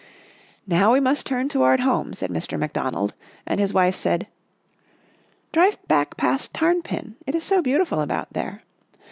" Now we must turn toward home," said Mr. McDonald, and his wife said, " Drive back past Tarnpin, it is so beautiful about there.